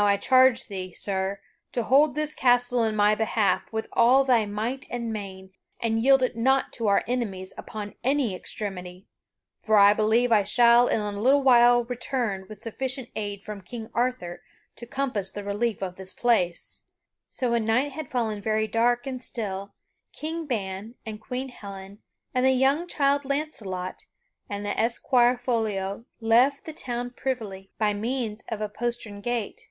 Now I charge thee, sir, to hold this castle in my behalf with all thy might and main, and yield it not to our enemies upon any extremity; for I believe I shall in a little while return with sufficient aid from King Arthur to compass the relief of this place." [Sidenote: King Ban with Queen Helen and Launcelot escape from Trible] So when night had fallen very dark and still, King Ban, and Queen Helen, and the young child Launcelot, and the esquire Foliot left the town privily by means of a postern gate.